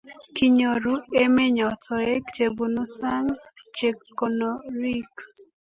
Kinyoru emenyo toek chebunu saang' che konoriik.